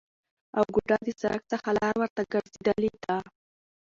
او گوډه د سرک څخه لار ورته ورگرځیدلې ده،